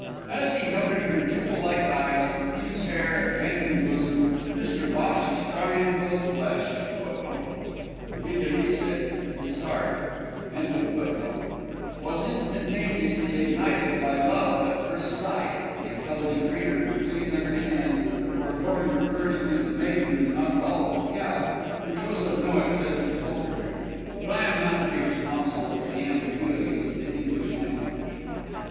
As he noted her jewel like eyes, profuse hair, and panting bosom, Mr Bhosh's triangle of flesh was instantaneously ignited by love at first sight (the intelligent reader will please understand that the foregoing refers to the maiden and not at all to the cow, which was of no excessive pulchritude but I am not to be responsible for the ambiguities of the English language). Videlicet: his heart.